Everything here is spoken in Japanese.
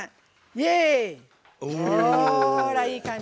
ほら、いい感じ。